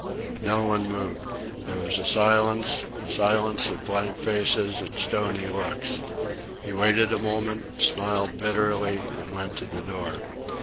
No one moved. There was a silence; a silence of blank faces and stony looks. He waited a moment, smiled bitterly, and went to the door.